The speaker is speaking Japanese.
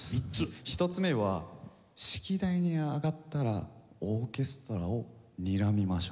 １つ目は指揮台に上がったらオーケストラをにらみましょう。